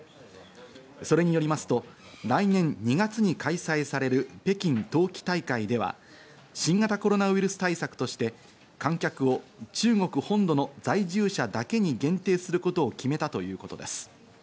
それによりますと、来年２月に開催される北京冬季大会では新型コロナウイルス対策として観客を中国本土の在住者だけに限定することを決めたということです。